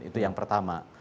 itu yang pertama